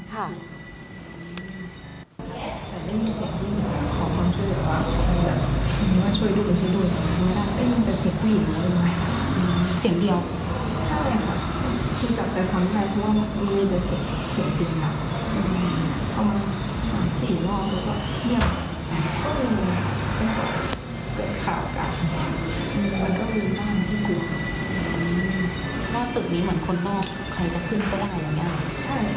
มันก็รู้มากไว้ภูมิบาล